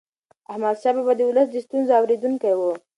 احمدشاه بابا د ولس د ستونزو اورېدونکی و.